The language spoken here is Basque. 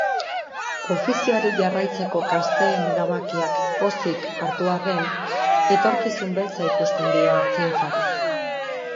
Ofizioari jarraitzeko gazteen erabakiak pozik hartu arren, etorkizun beltza ikusten dio artzaintzari.